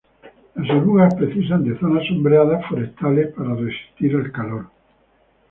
Las orugas precisan de zonas sombreadas forestales para resistir al calor.